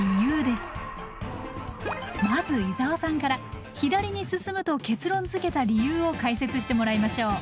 まず伊沢さんから左に進むと結論づけた理由を解説してもらいましょう。